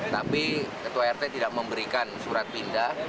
tapi ketua rt tidak memberikan surat pindah